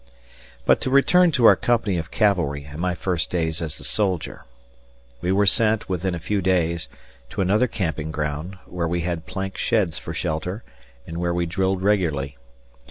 But to return to our company of cavalry and my first days as a soldier. We were sent, within a few days, to another camping ground, wherewe had plank sheds for shelter and where we drilled regularly.